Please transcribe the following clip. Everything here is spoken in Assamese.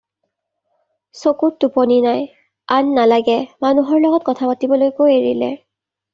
চকুত টোপনি নাই, আন নালাগে মানুহৰ লগত কথা পাতিবলৈকো এৰিলে।